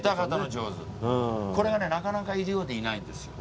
これがねなかなかいるようでいないんですよ。